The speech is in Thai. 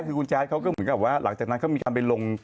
คือคุณแจ๊ดเขาก็เหมือนกับว่าหลังจากนั้นเขามีการไปลง